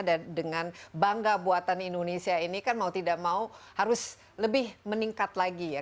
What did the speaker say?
dan dengan bangga buatan indonesia ini kan mau tidak mau harus lebih meningkat lagi ya